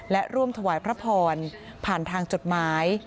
และร่วมถวายพระพรผ่านทางจดหมาย